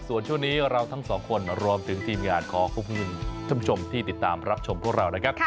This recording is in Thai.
ส่วนช่วงนี้เราทั้งสองคนรวมถึงทีมงานขอขอบคุณท่านผู้ชมที่ติดตามรับชมพวกเรานะครับ